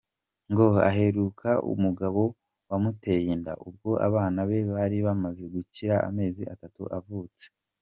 Ngo aheruka umugabo wamuteye inda ubwo abana be bari bamaze kugira amezi atatu bavutse.